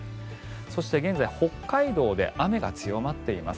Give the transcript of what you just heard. そして現在北海道で雨が強まっています。